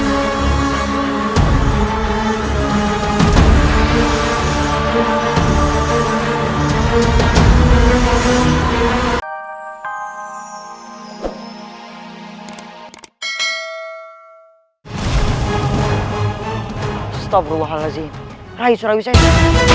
astaghfirullahaladzim raih surawi saya